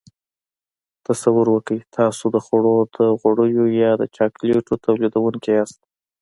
تصور وکړئ تاسو د خوړو د غوړیو یا د چاکلیټو تولیدوونکي یاست.